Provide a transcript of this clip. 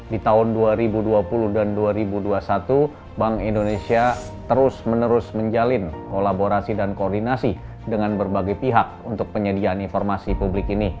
di tahun dua ribu dua puluh dan dua ribu dua puluh satu bank indonesia terus menerus menjalin kolaborasi dan koordinasi dengan berbagai pihak untuk penyediaan informasi publik ini